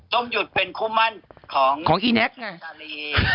ส้มหยุดเป็นคู่มั่นของของอีแน็กซ์ไง